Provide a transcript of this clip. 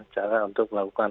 cara untuk melakukan